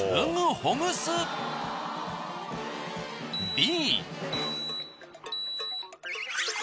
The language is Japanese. Ｂ。